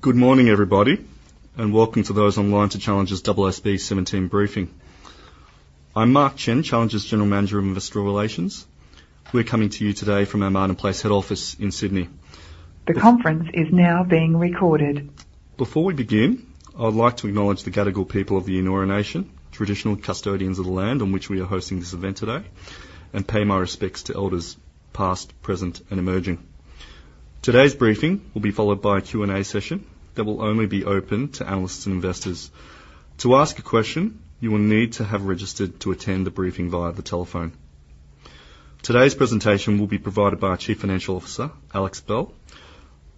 Good morning, everybody, and welcome to those online to Challenger's AASB 17 briefing. I'm Mark Chen, Challenger's General Manager of Investor Relations. We're coming to you today from our Martin Place head office in Sydney. The conference is now being recorded. Before we begin, I'd like to acknowledge the Gadigal people of the Eora Nation, traditional custodians of the land on which we are hosting this event today, and pay my respects to elders past, present, and emerging. Today's briefing will be followed by a Q&A session that will only be open to analysts and investors. To ask a question, you will need to have registered to attend the briefing via the telephone. Today's presentation will be provided by our Chief Financial Officer, Alex Bell.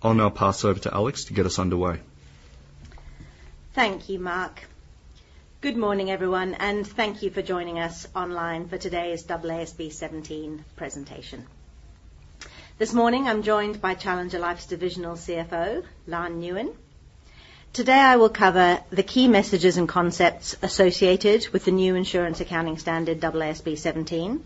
I'll now pass over to Alex to get us underway. Thank you, Mark. Good morning, everyone, and thank you for joining us online for today's AASB 17 presentation. This morning, I'm joined by Challenger Life's Divisional CFO, Long Nguyen. Today, I will cover the key messages and concepts associated with the new insurance accounting standard, AASB 17,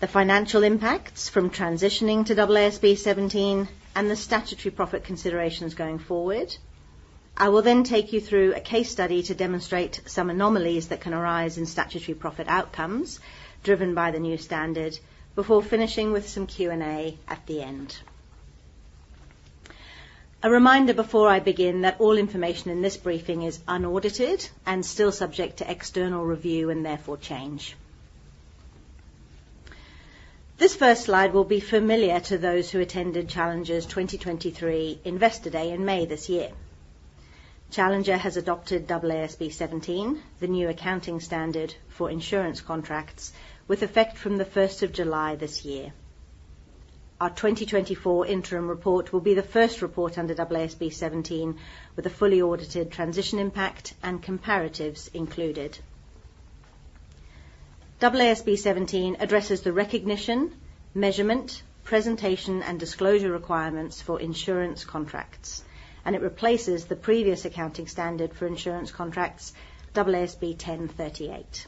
the financial impacts from transitioning to AASB 17, and the statutory profit considerations going forward. I will then take you through a case study to demonstrate some anomalies that can arise in statutory profit outcomes driven by the new standard, before finishing with some Q&A at the end. A reminder before I begin that all information in this briefing is unaudited and still subject to external review and therefore change. This first slide will be familiar to those who attended Challenger's 2023 Investor Day in May this year. Challenger has adopted AASB 17, the new accounting standard for insurance contracts, with effect from the first of July this year. Our 2024 interim report will be the first report under AASB 17, with a fully audited transition impact and comparatives included. AASB 17 addresses the recognition, measurement, presentation, and disclosure requirements for insurance contracts, and it replaces the previous accounting standard for insurance contracts, AASB 1038.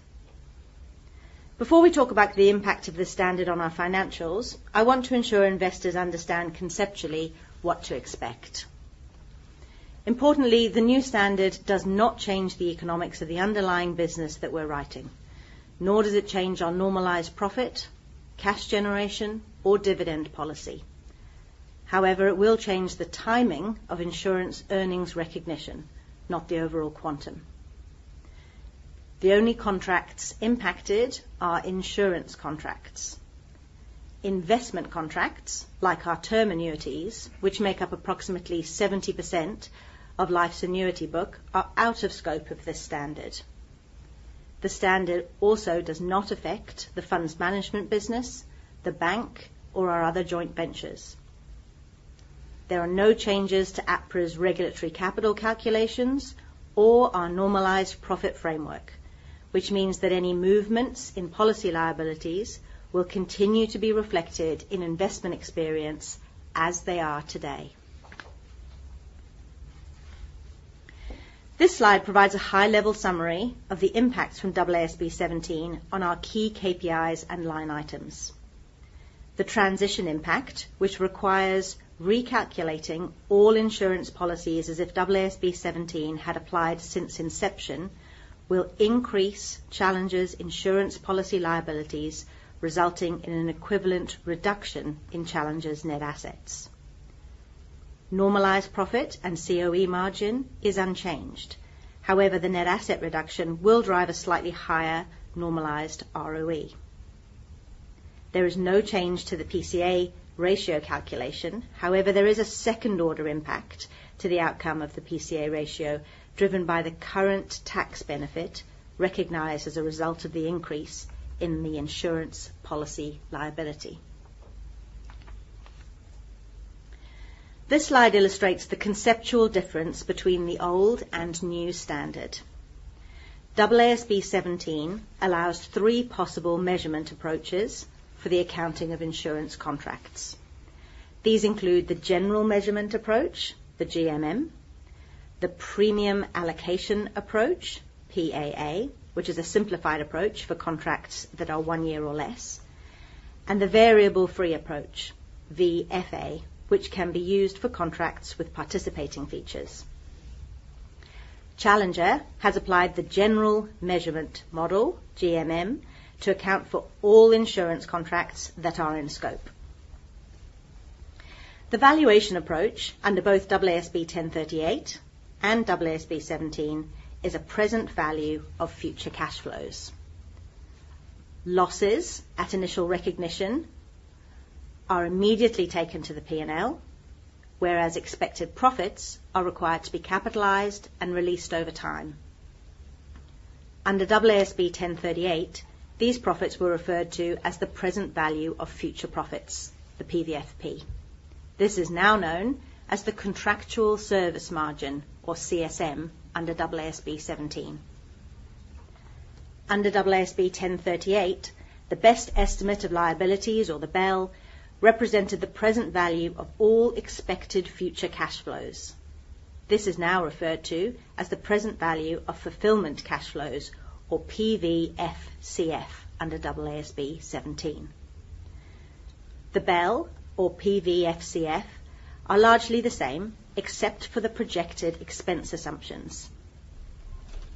Before we talk about the impact of this standard on our financials, I want to ensure investors understand conceptually what to expect. Importantly, the new standard does not change the economics of the underlying business that we're writing, nor does it change our normalized profit, cash generation, or dividend policy. However, it will change the timing of insurance earnings recognition, not the overall quantum. The only contracts impacted are insurance contracts. Investment contracts, like our term annuities, which make up approximately 70% of Life's annuity book, are out of scope of this standard. The standard also does not affect the funds management business, the bank, or our other joint ventures. There are no changes to APRA's regulatory capital calculations or our normalized profit framework, which means that any movements in policy liabilities will continue to be reflected in investment experience as they are today. This slide provides a high-level summary of the impacts from AASB 17 on our key KPIs and line items. The transition impact, which requires recalculating all insurance policies as if AASB 17 had applied since inception, will increase Challenger's insurance policy liabilities, resulting in an equivalent reduction in Challenger's net assets. Normalized profit and COE margin is unchanged. However, the net asset reduction will drive a slightly higher normalized ROE. There is no change to the PCA ratio calculation. However, there is a second-order impact to the outcome of the PCA ratio, driven by the current tax benefit recognized as a result of the increase in the insurance policy liability. This slide illustrates the conceptual difference between the old and new standard. AASB 17 allows three possible measurement approaches for the accounting of insurance contracts. These include the general measurement approach, the GMM, the premium allocation approach, PAA, which is a simplified approach for contracts that are one year or less, and the variable fee approach, VFA, which can be used for contracts with participating features. Challenger has applied the General Measurement Model, GMM, to account for all insurance contracts that are in scope. The valuation approach under both AASB 1038 and AASB 17 is a present value of future cash flows. Losses at initial recognition are immediately taken to the P&L, whereas expected profits are required to be capitalized and released over time. Under AASB 1038, these profits were referred to as the present value of future profits, the PVFP. This is now known as the contractual service margin, or CSM, under AASB 17. Under AASB 1038, the best estimate of liabilities, or the BEL, represented the present value of all expected future cash flows. This is now referred to as the present value of fulfillment cash flows or PVFCF under AASB 17.... The BEL or PVFCF are largely the same, except for the projected expense assumptions.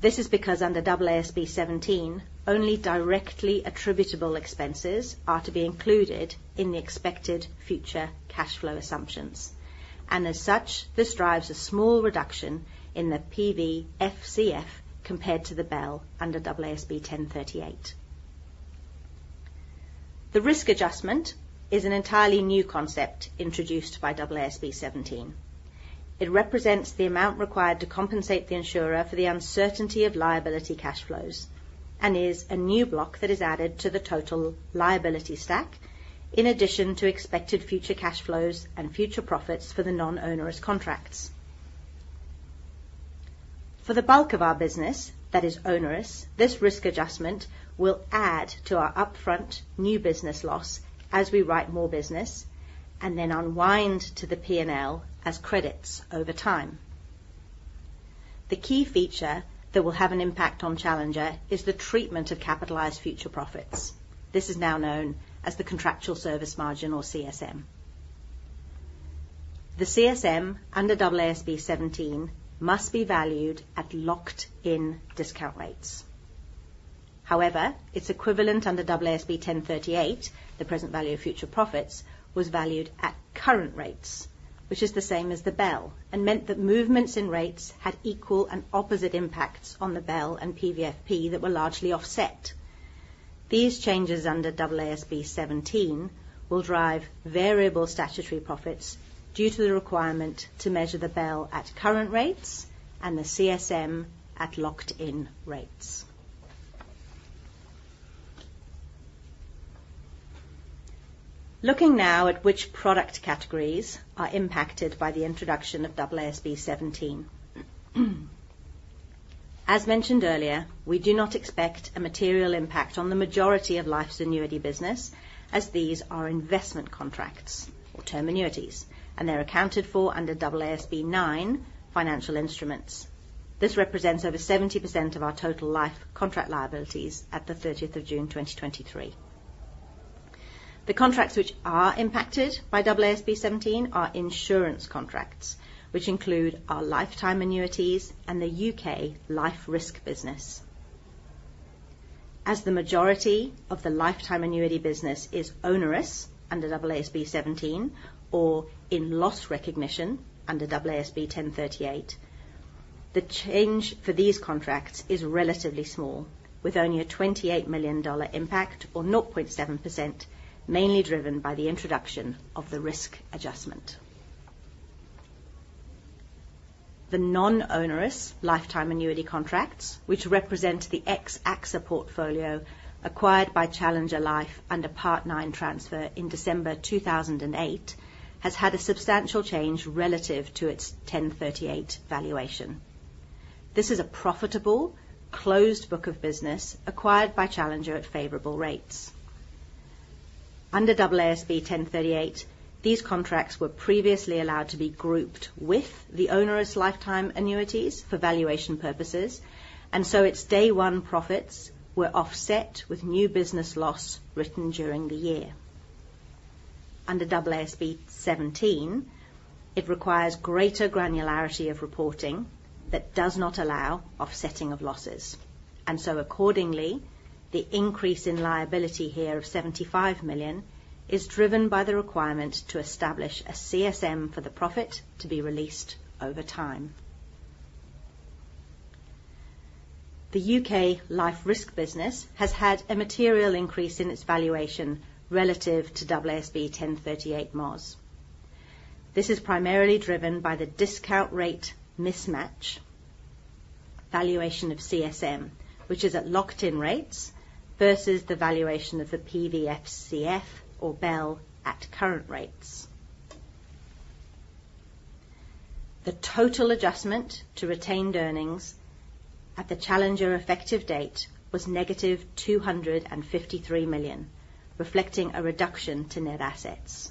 This is because under AASB 17, only directly attributable expenses are to be included in the expected future cash flow assumptions, and as such, this drives a small reduction in the PVFCF compared to the BEL under AASB 1038. The risk adjustment is an entirely new concept introduced by AASB 17. It represents the amount required to compensate the insurer for the uncertainty of liability cash flows, and is a new block that is added to the total liability stack, in addition to expected future cash flows and future profits for the non-onerous contracts. For the bulk of our business, that is onerous, this risk adjustment will add to our upfront new business loss as we write more business and then unwind to the P&L as credits over time. The key feature that will have an impact on Challenger is the treatment of capitalized future profits. This is now known as the contractual service margin or CSM. The CSM under AASB 17 must be valued at locked-in discount rates. However, its equivalent under AASB 1038, the present value of future profits, was valued at current rates, which is the same as the BEL, and meant that movements in rates had equal and opposite impacts on the BEL and PVFP that were largely offset. These changes under AASB 17 will drive variable statutory profits due to the requirement to measure the BEL at current rates and the CSM at locked-in rates. Looking now at which product categories are impacted by the introduction of AASB 17. As mentioned earlier, we do not expect a material impact on the majority of life's annuity business, as these are investment contracts or term annuities, and they're accounted for under AASB 9 financial instruments. This represents over 70% of our total life contract liabilities at the 30th of June, 2023. The contracts which are impacted by AASB 17 are insurance contracts, which include our lifetime annuities and the U.K. life risk business. As the majority of the lifetime annuity business is onerous under AASB 17 or in loss recognition under AASB 1038, the change for these contracts is relatively small, with only a 28 million dollar impact or 0.7%, mainly driven by the introduction of the risk adjustment. The non-onerous lifetime annuity contracts, which represent the ex-AXA portfolio acquired by Challenger Life under Part 9 transfer in December 2008, has had a substantial change relative to its AASB 1038 valuation. This is a profitable, closed book of business acquired by Challenger at favorable rates. Under AASB 1038, these contracts were previously allowed to be grouped with the onerous lifetime annuities for valuation purposes, and so its day one profits were offset with new business loss written during the year. Under AASB 17, it requires greater granularity of reporting that does not allow offsetting of losses, and so accordingly, the increase in liability here of 75 million is driven by the requirement to establish a CSM for the profit to be released over time. The U.K. life risk business has had a material increase in its valuation relative to AASB 1038 MOS. This is primarily driven by the discount rate mismatch valuation of CSM, which is at locked-in rates versus the valuation of the PVFCF or BEL at current rates. The total adjustment to retained earnings at the Challenger effective date was -253 million, reflecting a reduction to net assets.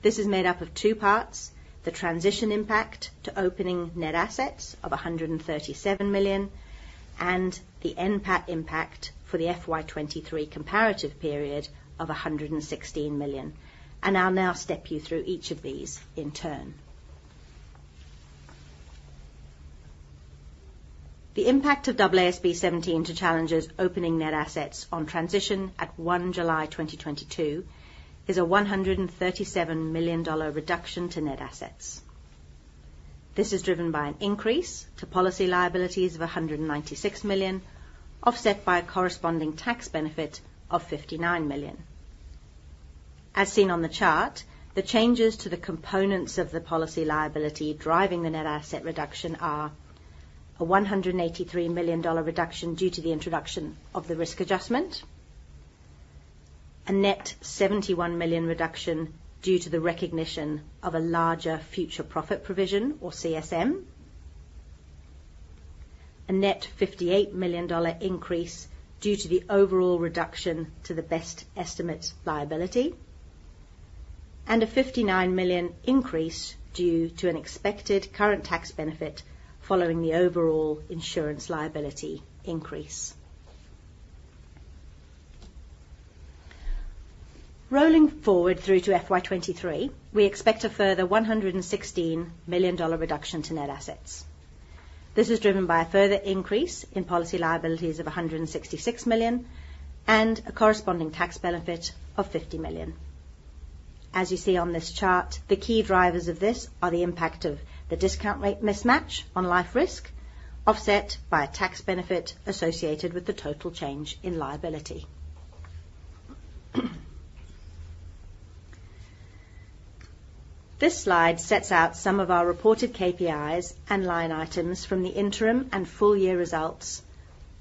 This is made up of two parts: the transition impact to opening net assets of 137 million, and the NPAT impact for the FY 2023 comparative period of 116 million. I'll now step you through each of these in turn. The impact of AASB 17 to Challenger's opening net assets on transition at 1 July 2022 is a 137 million dollar reduction to net assets. This is driven by an increase to policy liabilities of 196 million, offset by a corresponding tax benefit of 59 million. As seen on the chart, the changes to the components of the policy liability driving the net asset reduction are a AUD 183 million reduction due to the introduction of the risk adjustment, a net 71 million reduction due to the recognition of a larger future profit provision or CSM, a net 58 million dollar increase due to the overall reduction to the best estimate liability, and a 59 million increase due to an expected current tax benefit following the overall insurance liability increase. Rolling forward through to FY 2023, we expect a further 116 million dollar reduction to net assets. This is driven by a further increase in policy liabilities of a 166 million and a corresponding tax benefit of 50 million. As you see on this chart, the key drivers of this are the impact of the discount rate mismatch on life risk, offset by a tax benefit associated with the total change in liability. This slide sets out some of our reported KPIs and line items from the interim and full year results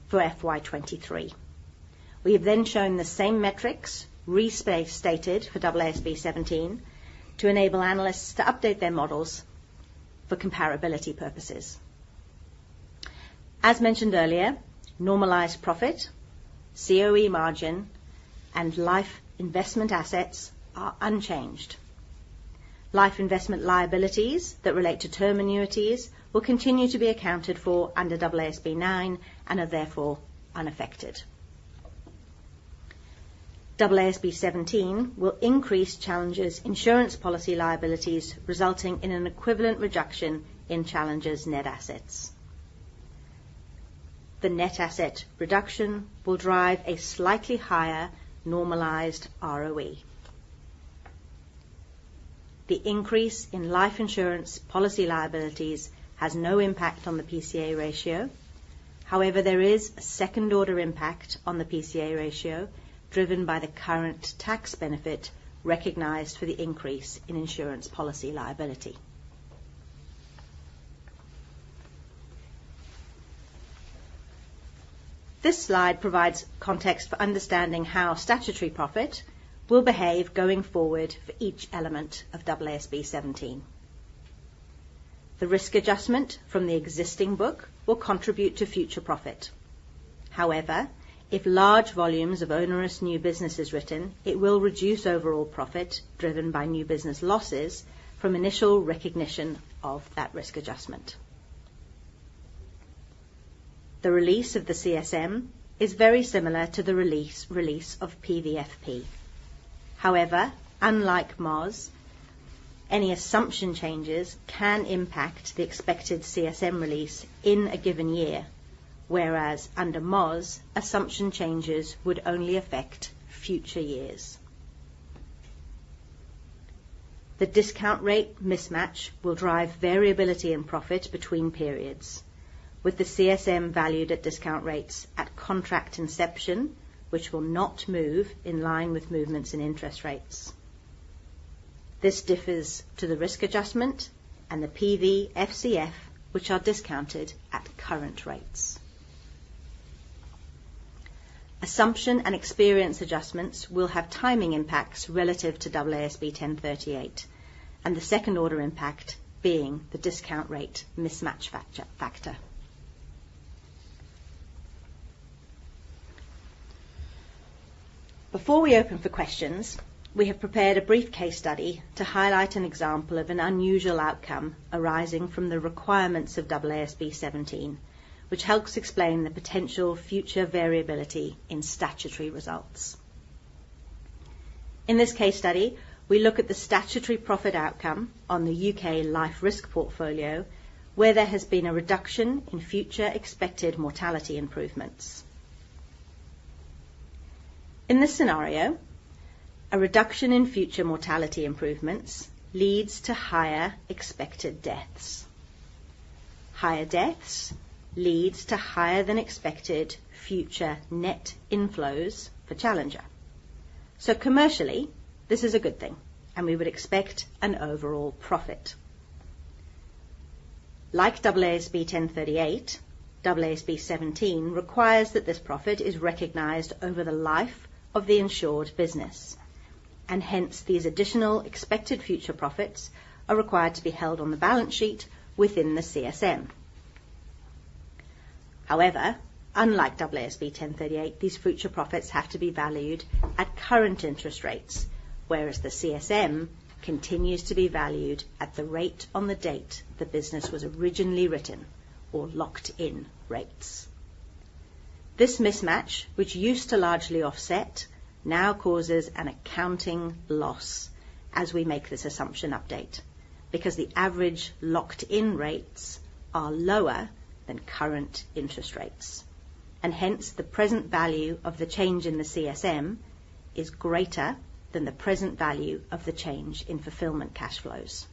for FY 2023. We have then shown the same metrics restated for AASB 17 to enable analysts to update their models for comparability purposes. As mentioned earlier, normalized profit, COE margin, and life investment assets are unchanged. Life investment liabilities that relate to term annuities will continue to be accounted for under AASB 9, and are therefore unaffected. AASB 17 will increase Challenger's insurance policy liabilities, resulting in an equivalent reduction in Challenger's net assets. The net asset reduction will drive a slightly higher normalized ROE. The increase in life insurance policy liabilities has no impact on the PCA Ratio. However, there is a second order impact on the PCA Ratio, driven by the current tax benefit recognized for the increase in insurance policy liability. This slide provides context for understanding how statutory profit will behave going forward for each element of AASB 17. The risk adjustment from the existing book will contribute to future profit. However, if large volumes of onerous new business is written, it will reduce overall profit driven by new business losses from initial recognition of that risk adjustment. The release of the CSM is very similar to the release of PVFP. However, unlike MO, any assumption changes can impact the expected CSM release in a given year, whereas under MoS, assumption changes would only affect future years. The discount rate mismatch will drive variability in profit between periods, with the CSM valued at discount rates at contract inception, which will not move in line with movements in interest rates. This differs to the risk adjustment and the PVFCF, which are discounted at current rates. Assumption and experience adjustments will have timing impacts relative to AASB 1038, and the second order impact being the discount rate mismatch factor. Before we open for questions, we have prepared a brief case study to highlight an example of an unusual outcome arising from the requirements of AASB 17, which helps explain the potential future variability in statutory results. In this case study, we look at the statutory profit outcome on the U.K. life risk portfolio, where there has been a reduction in future expected mortality improvements. In this scenario, a reduction in future mortality improvements leads to higher expected deaths. Higher deaths leads to higher than expected future net inflows for Challenger. So commercially, this is a good thing, and we would expect an overall profit. Like AASB 1038, AASB 17 requires that this profit is recognized over the life of the insured business, and hence, these additional expected future profits are required to be held on the balance sheet within the CSM. However, unlike AASB 1038, these future profits have to be valued at current interest rates, whereas the CSM continues to be valued at the rate on the date the business was originally written or locked in rates. This mismatch, which used to largely offset, now causes an accounting loss as we make this assumption update, because the average locked in rates are lower than current interest rates, and hence, the present value of the change in the CSM is greater than the present value of the change in fulfillment cash flows.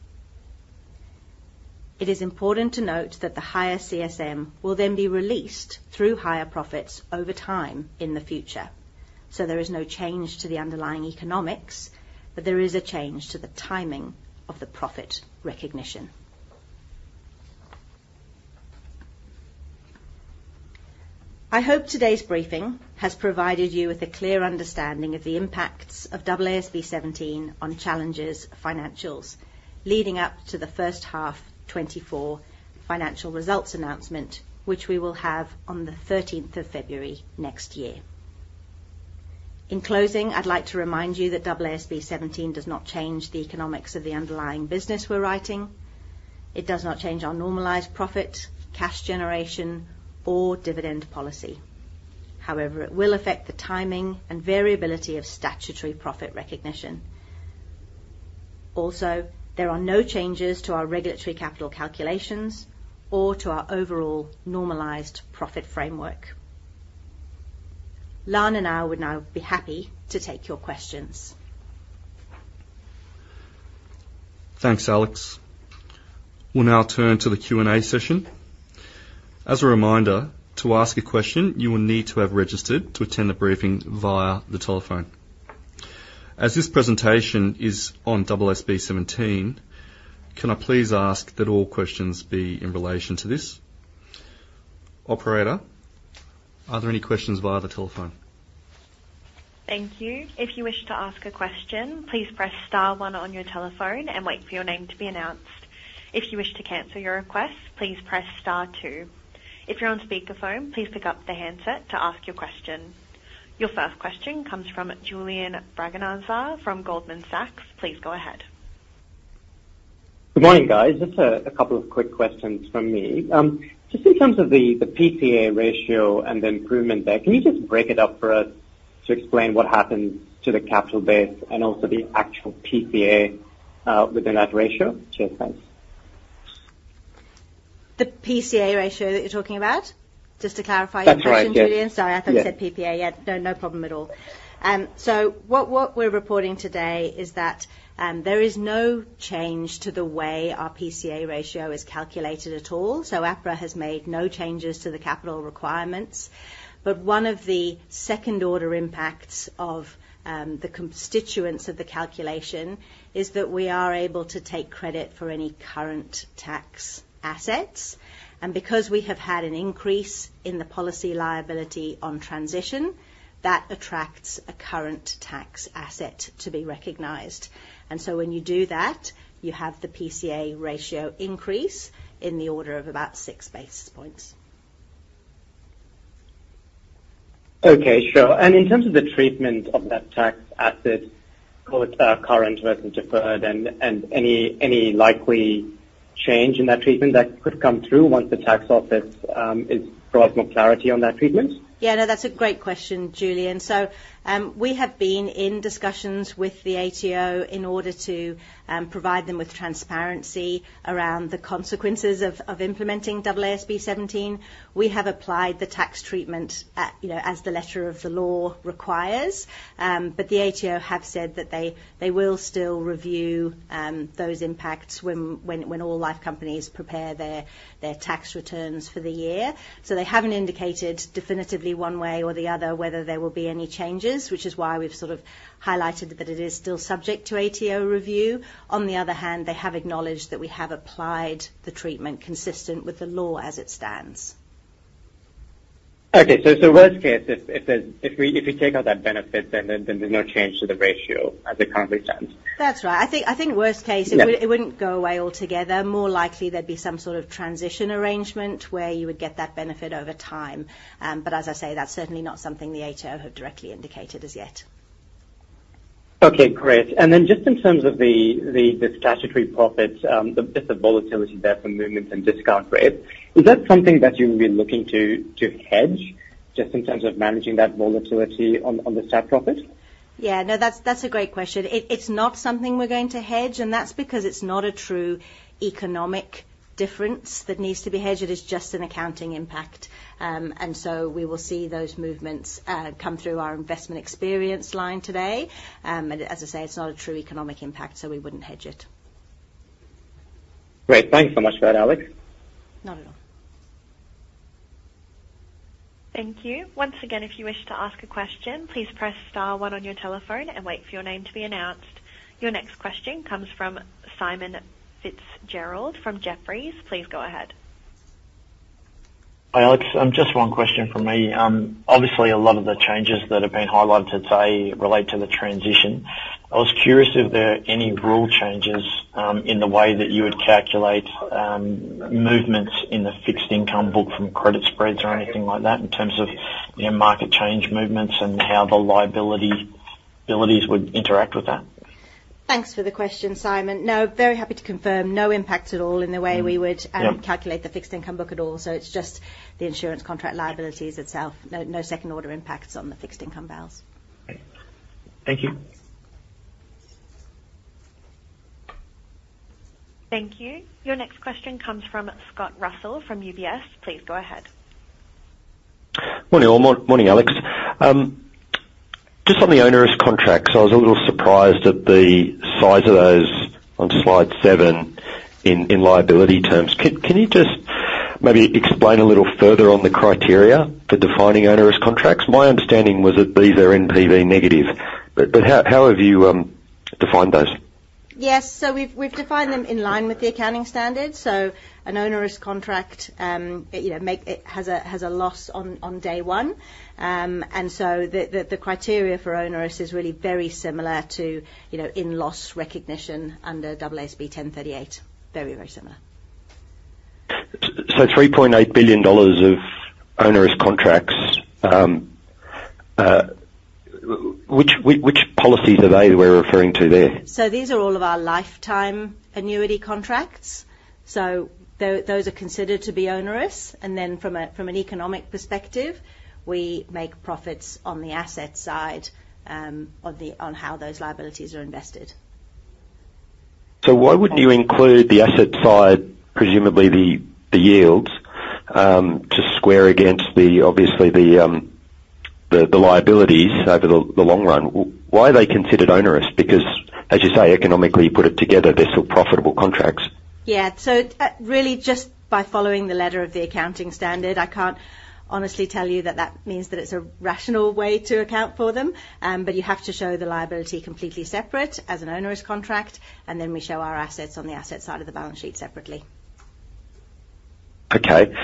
It is important to note that the higher CSM will then be released through higher profits over time in the future. So there is no change to the underlying economics, but there is a change to the timing of the profit recognition. I hope today's briefing has provided you with a clear understanding of the impacts of AASB 17 on Challenger's financials, leading up to the first half 2024 financial results announcement, which we will have on the thirteenth of February next year... In closing, I'd like to remind you that AASB 17 does not change the economics of the underlying business we're writing. It does not change our normalized profit, cash generation, or dividend policy. However, it will affect the timing and variability of statutory profit recognition. Also, there are no changes to our regulatory capital calculations or to our overall normalized profit framework. Long and I would now be happy to take your questions. Thanks, Alex. We'll now turn to the Q&A session. As a reminder, to ask a question, you will need to have registered to attend the briefing via the telephone. As this presentation is on AASB 17, can I please ask that all questions be in relation to this? Operator, are there any questions via the telephone? Thank you. If you wish to ask a question, please press star one on your telephone and wait for your name to be announced. If you wish to cancel your request, please press star two. If you're on speakerphone, please pick up the handset to ask your question. Your first question comes from Julian Braganza from Goldman Sachs. Please go ahead. Good morning, guys. Just a couple of quick questions from me. Just in terms of the PCA ratio and the improvement there, can you just break it up for us to explain what happened to the capital base and also the actual PCA within that ratio? Cheers. Thanks. The PCA Ratio that you're talking about? Just to clarify- That's right, yes. Julian. Sorry, I thought you said PPA. Yeah, no, no problem at all. So what, what we're reporting today is that there is no change to the way our PCA ratio is calculated at all, so APRA has made no changes to the capital requirements. But one of the second order impacts of the constituents of the calculation is that we are able to take credit for any current tax assets, and because we have had an increase in the policy liability on transition, that attracts a current tax asset to be recognized. And so when you do that, you have the PCA ratio increase in the order of about six basis points. Okay, sure. And in terms of the treatment of that tax asset, both current versus deferred, and any likely change in that treatment that could come through once the tax office provides more clarity on that treatment? Yeah, no, that's a great question, Julian. So, we have been in discussions with the ATO in order to provide them with transparency around the consequences of implementing AASB 17. We have applied the tax treatment at, you know, as the letter of the law requires, but the ATO have said that they will still review those impacts when all life companies prepare their tax returns for the year. So they haven't indicated definitively one way or the other whether there will be any changes, which is why we've sort of highlighted that it is still subject to ATO review. On the other hand, they have acknowledged that we have applied the treatment consistent with the law as it stands. Okay. So worst case, if we take out that benefit, then there's no change to the ratio as it currently stands? That's right. I think worst case- Yeah... it wouldn't, it wouldn't go away altogether. More likely, there'd be some sort of transition arrangement where you would get that benefit over time. But as I say, that's certainly not something the ATO have directly indicated as yet. Okay, great. And then just in terms of the statutory profits, the volatility there from movements and discount rates, is that something that you would be looking to hedge, just in terms of managing that volatility on the stat profit? Yeah. No, that's, that's a great question. It, it's not something we're going to hedge, and that's because it's not a true economic difference that needs to be hedged. It is just an accounting impact. And so we will see those movements come through our investment experience line today. But as I say, it's not a true economic impact, so we wouldn't hedge it. Great. Thank you so much for that, Alex. Not at all. Thank you. Once again, if you wish to ask a question, please press star one on your telephone and wait for your name to be announced. Your next question comes from Simon Fitzgerald from Jefferies. Please go ahead. Hi, Alex. Just one question from me. Obviously, a lot of the changes that have been highlighted today relate to the transition. I was curious if there are any rule changes in the way that you would calculate movements in the fixed income book from credit spreads or anything like that, in terms of, you know, market change movements and how the liabilities would interact with that? Thanks for the question, Simon. No, very happy to confirm. No impact at all in the way we would- Yeah... calculate the fixed income book at all. So it's just the insurance contract liabilities itself. No, no second-order impacts on the fixed income balance. Great. Thank you. Thank you. Your next question comes from Scott Russell, from UBS. Please go ahead. Well, good morning, Alex. Just on the onerous contracts, I was a little surprised at the size of those on slide seven in liability terms. Can you just maybe explain a little further on the criteria for defining onerous contracts? My understanding was that these are NPV negative. But how have you defined those? Yes. So we've defined them in line with the accounting standards. So an onerous contract, you know, it has a loss on day one. And so the criteria for onerous is really very similar to, you know, in loss recognition under AASB 1038. Very, very similar.... So 3.8 billion dollars of onerous contracts, which policies are they're referring to there? So these are all of our Lifetime Annuity contracts. So those are considered to be onerous, and then from an economic perspective, we make profits on the asset side, on how those liabilities are invested. So why would you include the asset side, presumably the yields, to square against the obviously, the liabilities over the long run? Why are they considered onerous? Because as you say, economically, you put it together, they're still profitable contracts. Yeah. So, really, just by following the letter of the accounting standard, I can't honestly tell you that that means that it's a rational way to account for them. But you have to show the liability completely separate as an onerous contract, and then we show our assets on the asset side of the balance sheet separately. Okay.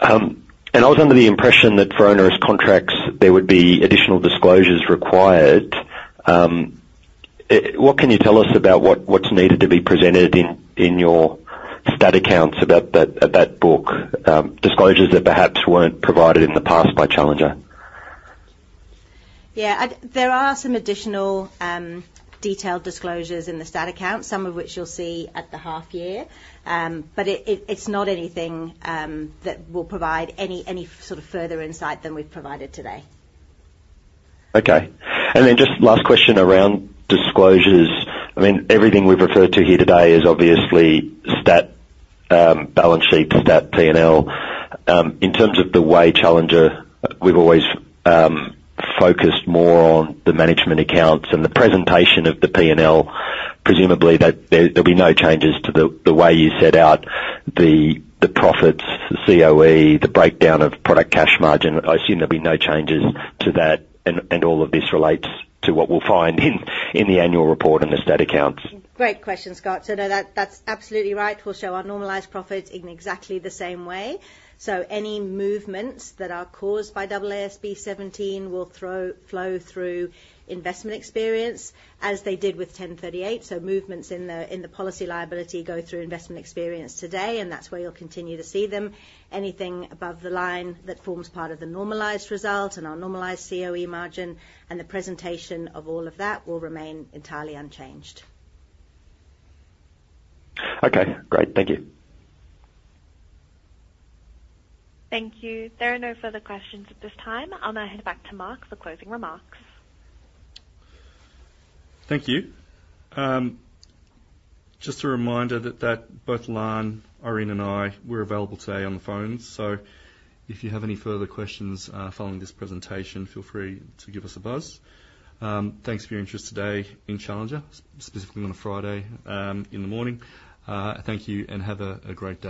And I was under the impression that for onerous contracts, there would be additional disclosures required. What can you tell us about what's needed to be presented in your stat accounts about that book, disclosures that perhaps weren't provided in the past by Challenger? Yeah, there are some additional, detailed disclosures in the stat account, some of which you'll see at the half year. But it, it's not anything that will provide any sort of further insight than we've provided today. Okay. And then just last question around disclosures. I mean, everything we've referred to here today is obviously stat, balance sheet, stat P&L. In terms of the way Challenger, we've always, focused more on the management accounts and the presentation of the P&L, presumably, that there, there'll be no changes to the, the way you set out the, the profits, the COE, the breakdown of product cash margin. I assume there'll be no changes to that, and, and all of this relates to what we'll find in, in the annual report and the stat accounts. Great question, Scott. So no, that's absolutely right. We'll show our normalized profits in exactly the same way. So any movements that are caused by AASB 17 will flow through investment experience, as they did with AASB 1038. So movements in the policy liability go through investment experience today, and that's where you'll continue to see them. Anything above the line that forms part of the normalized result and our normalized COE margin, and the presentation of all of that will remain entirely unchanged. Okay, great. Thank you. Thank you. There are no further questions at this time. I'll now hand back to Mark for closing remarks. Thank you. Just a reminder that both Lan, Irene, and I, we're available today on the phone, so if you have any further questions following this presentation, feel free to give us a buzz. Thanks for your interest today in Challenger, specifically on a Friday in the morning. Thank you, and have a great day.